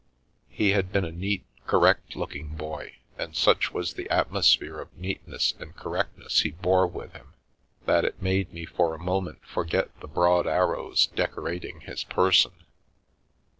He had been a neat, correct looking boy, and such was the atmosphere of neatness and correctness he bore with him that it made me for a moment forget the broad arrows decorat ing his person.